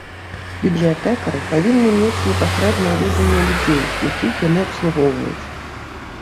Бібліятэкары павінны мець непасрэднае веданне людзей, якіх яны абслугоўваюць.